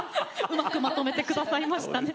うまくまとめてくださいましたね。